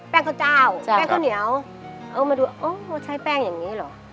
ข้าวเจ้าแป้งข้าวเหนียวเอามาดูโอ้ใช้แป้งอย่างนี้เหรอ